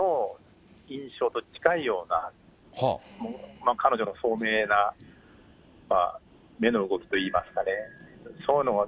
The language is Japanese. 君に会ったときの印象と近いような、彼女の聡明な目の動きといいますかね。